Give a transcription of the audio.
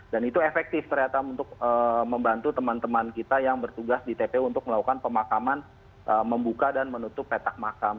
dan itu efektif ternyata untuk membantu teman teman kita yang bertugas di tpu untuk melakukan pemakaman membuka dan menutup petak makam